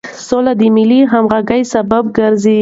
سوله د ملي همغږۍ سبب ګرځي.